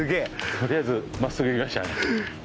とりあえず真っすぐいきましたね。